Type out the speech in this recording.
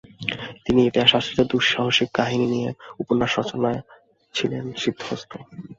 তিনি ইতিহাস আশ্রিত দুঃসাহসিক কাহিনী নিয়ে উপন্যাস রচনায় ছিলেন সিদ্ধহস্ত।